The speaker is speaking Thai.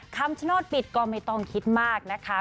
คำชโนธปิดก็ไม่ต้องคิดมากนะคะ